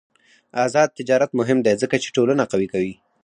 آزاد تجارت مهم دی ځکه چې ټولنه قوي کوي.